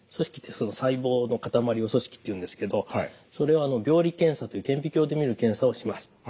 細胞の塊を組織っていうんですけどそれを病理検査という顕微鏡で見る検査をします。